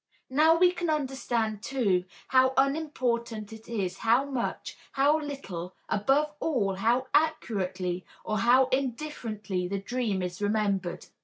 Now we can understand, too, how unimportant it is how much, how little, above all, how accurately or how indifferently the dream is remembered.